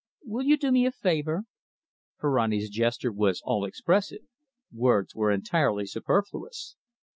"Will you do me a favour?" Ferrani's gesture was all expressive. Words were entirely superfluous.